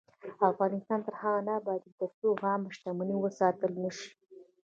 افغانستان تر هغو نه ابادیږي، ترڅو عامه شتمني وساتل نشي.